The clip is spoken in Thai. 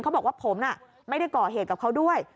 เขาบอกว่าผมไม่ได้ก่อเหตุกับเขาด้วย